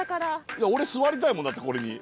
俺座りたいもんだってこれに。